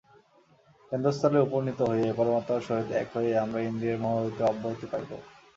কেন্দ্রস্থলে উপনীত হইয়াই, পরমাত্মার সহিত এক হইয়াই আমরা ইন্দ্রিয়ের মোহ হইতে অব্যাহতি পাইব।